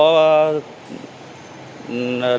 có thể có